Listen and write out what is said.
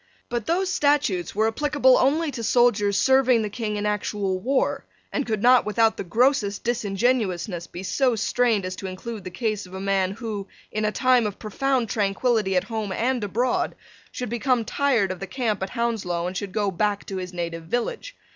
But those statutes were applicable only to soldiers serving the King in actual war, and could not without the grossest disingenuousness be so strained as to include the case of a man who, in a time of profound tranquillity at home and abroad, should become tired of the camp at Hounslow and should go back to his native village.